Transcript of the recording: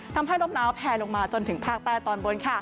ทำให้ลมหนาวแพลลงมาจนถึงภาคใต้ตอนบน